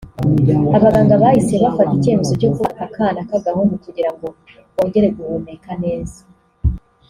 Abaganga bahise bafata icyemezo cyo kubaga aka kana k’agahungu kugira ngo kongere guhumeka neza